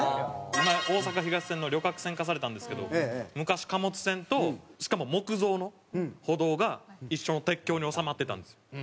今おおさか東線の旅客線化されたんですけど昔貨物線としかも木造の歩道が一緒の鉄橋に収まってたんですよ。